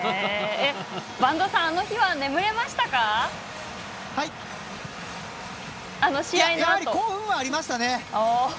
播戸さん、あの日は眠れましたか？